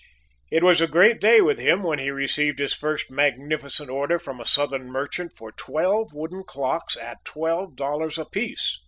It was a great day with him when he received his first magnificent order from a Southern merchant for twelve wooden clocks at twelve dollars apiece!